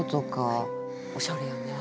おしゃれやね。